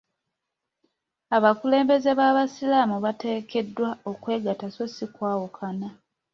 Abakulembeze b'abasiraamu bateekeddwa okwegatta so si kwawukana.